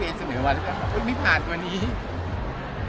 พี่เอ็มเค้าเป็นระบองโรงงานหรือเปลี่ยนไงครับ